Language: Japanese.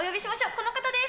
この方です。